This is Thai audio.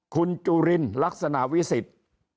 คุณจุลินลักษณะวิสิทธิ์